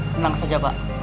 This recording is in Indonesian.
tenang saja pak